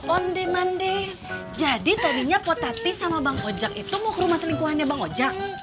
onde mandi jadi tadinya potati sama bang ojak itu mokrumah selingkuhannya bang ojak